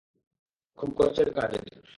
খুব কষ্টের কাজ এটা।